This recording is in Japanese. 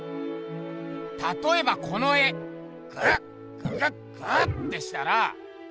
たとえばこの絵グッググッグッてしたら。